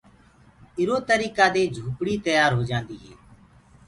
اِرو تريڪآ دي جُھوپڙي تيآر هوجآندي هي۔